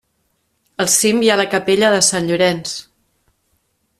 Al cim hi ha la Capella de Sant Llorenç.